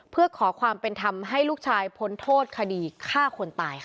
เพื่อขอความเป็นธรรมให้ลูกชายพ้นโทษคดีฆ่าคนตายค่ะ